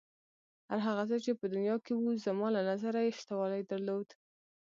هر هغه څه چې په دنیا کې و زما له نظره یې شتوالی درلود.